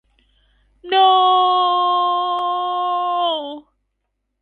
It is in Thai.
โน้ววววววววววววววววววว